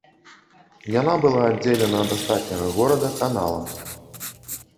Яна была аддзелена ад астатняга горада каналам.